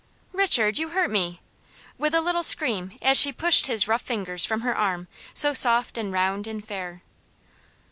"Richard you hurt me!" with a little scream, as she pushed his rough fingers from her arm, so soft, and round, and fair.